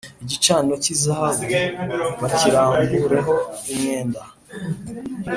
Igicaniro cy izahabu bakirambureho umwenda